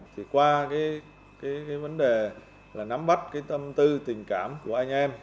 thì qua cái vấn đề là nắm bắt cái tâm tư tình cảm của anh em